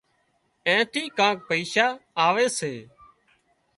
اين ٿي ڪانڪ پئيشا آوي سي